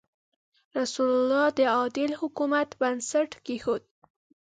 رسول الله د عادل حکومت بنسټ کېښود.